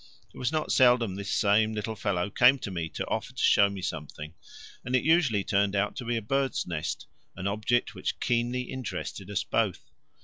It was not seldom this same little fellow came to me to offer to show me something, and it usually turned out to be a bird's nest, an object which keenly interested us both.